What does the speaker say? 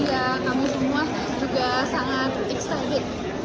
ya kamu semua juga sangat ekstabil